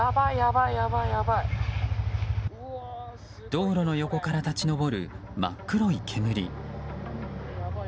道路の横から立ち上る真っ黒い煙。